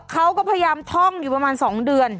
เขาก็พยายามท่องอยู่ประมาณ๒เดือน